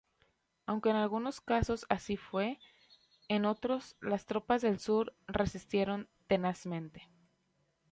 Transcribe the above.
Aunque en algunos casos así fue, en otros las tropas del Sur resistieron tenazmente.